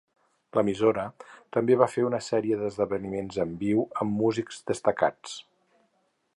L'emissora també va fer una sèrie d'esdeveniments en viu amb músics destacats.